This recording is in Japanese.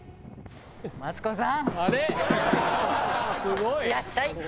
マツコさん。